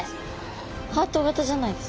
ハート形じゃないですか？